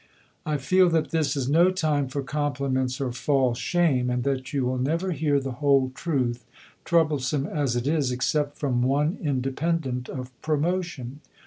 I feel that this is no time for compliments or false shame; and that you will never hear the whole truth, troublesome as it is, except from one independent of promotion....